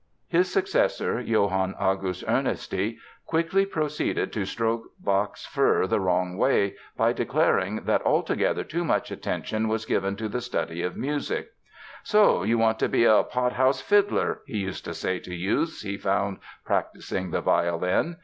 His successor, Johann August Ernesti, quickly proceeded to stroke Bach's fur the wrong way by declaring that altogether too much attention was given to the study of music. "So you want to be a pot house fiddler," he used to say to youths he found practising the violin.